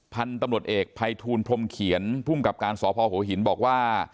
พันธุ์ตำรวจเอกภัยทูลพรมเขียนภูมิกับการสพหัวหินบอกว่า